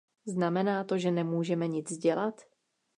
Znamená to, že nemůžeme nic dělat?